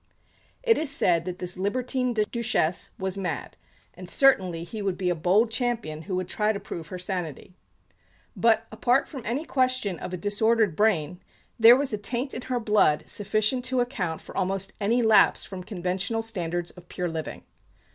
It is said that this libertine Duchesse was mad; and certainly he would be a bold champion who would try to prove her sanity. But, apart from any question of a disordered brain, there was a taint in her blood sufficient to account for almost any lapse from conventional standards of pure living.